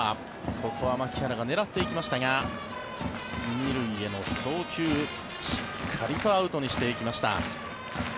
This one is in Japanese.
ここは牧原が狙っていきましたが２塁が送球しっかりとアウトにしてきました。